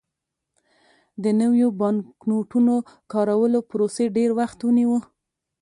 د نویو بانکنوټونو کارولو پروسې ډېر وخت ونیو.